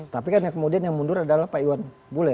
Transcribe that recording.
tapi kan yang kemudian yang mundur adalah pak iwan bule